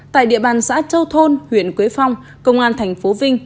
tại địa bàn xã châu thôn huyện quế phong công an thành phố vinh